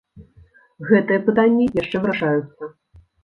Гэтыя пытанні яшчэ вырашаюцца.